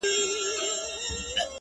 ستا غمونه ستا دردونه زما بدن خوري ،